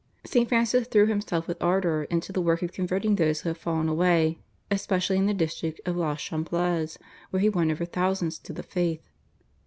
St. Francis threw himself with ardour into the work of converting those who had fallen away especially in the district of Le Chablais, where he won over thousands to the faith.